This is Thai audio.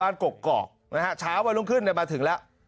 บ้านกรกกรอกนะฮะช้าวันลุงขึ้นได้มาถึงแล้ว